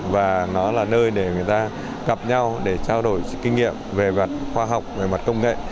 và nó là nơi để người ta gặp nhau để trao đổi kinh nghiệm về mặt khoa học về mặt công nghệ